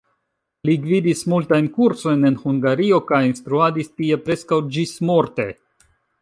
Li gvidis multajn kursojn en Hungario, kaj instruadis tie preskaŭ ĝis-morte.